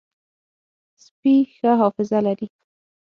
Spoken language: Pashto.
سپي ښه حافظه لري.